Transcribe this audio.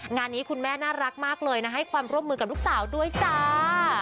งานนี้คุณแม่น่ารักมากเลยนะให้ความร่วมมือกับลูกสาวด้วยจ้า